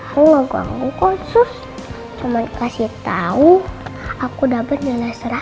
halo ganggu kok sus cuma kasih tau aku dapet jalan seratus